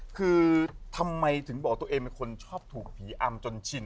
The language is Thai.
คือทำไมถึงบอกตัวเองเป็นคนชอบถูกผีอำจนชิน